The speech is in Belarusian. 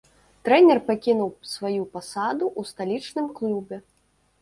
Трэнер пакінуў сваю пасаду ў сталічным клубе.